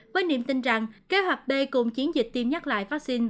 với niềm tin rằng kế hoạch b cùng chiến dịch tiêm nhắc lại vaccine